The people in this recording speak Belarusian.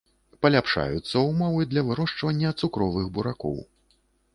Паляпшаюцца ўмовы для вырошчвання цукровых буракоў.